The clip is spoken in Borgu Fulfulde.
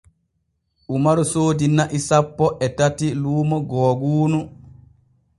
Umaru soodi na'i sanpo e tati luumo googuunu.